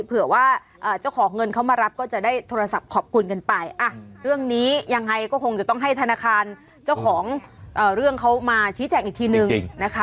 เผื่อว่าเจ้าของเงินเขามารับก็จะได้โทรศัพท์ขอบคุณกันไปเรื่องนี้ยังไงก็คงจะต้องให้ธนาคารเจ้าของเรื่องเขามาชี้แจงอีกทีนึงนะคะ